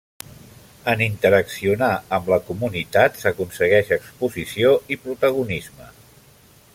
En interaccionar amb la comunitat s’aconsegueix exposició i protagonisme.